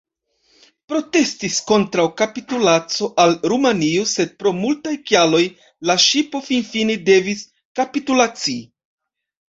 Protestis kontraŭ kapitulaco al Rumanio, sed pro multaj kialoj la ŝipo finfine devis kapitulaci.